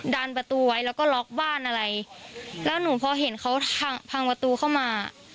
ดันประตูไว้แล้วก็ล็อกบ้านอะไรแล้วหนูพอเห็นเขาพังพังประตูเข้ามา